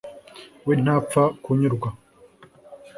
we ntapfa kunyurwa